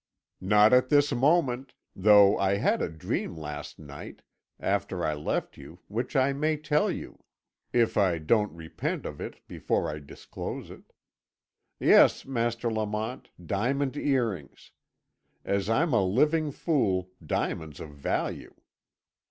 "Not at this moment though I had a dream last night after I left you which I may tell you if I don't repent of it before I disclose it. Yes, Master Lamont, diamond earrings as I'm a living fool, diamonds of value.